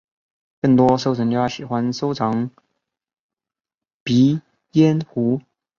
更多收藏家喜欢收藏鼻烟壶。